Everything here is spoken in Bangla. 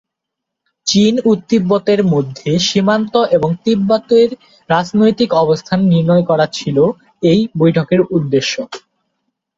চীন ও তিব্বতের মধ্য সীমান্ত এবং তিব্বতের রাজনৈতিক অবস্থান নির্ধারণ করা ছিল এই বৈঠকের উদ্দেশ্য।